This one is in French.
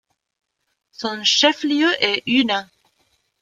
Son chef-lieu est Una.